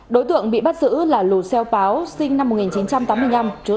đối tượng bị bắt giữ là lù xeo páo sinh năm một nghìn chín trăm tám mươi năm trú tại thôn sán trải a